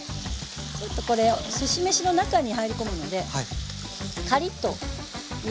ちょっとこれすし飯の中に入り込むのでカリッと焼くといいと思いますので。